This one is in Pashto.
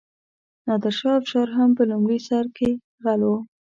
نادرشاه افشار هم په لومړي سر کې غل و.